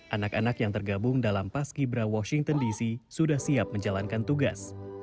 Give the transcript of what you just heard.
anak anak yang tergabung dalam paski bra washington dc sudah siap menjalankan tugas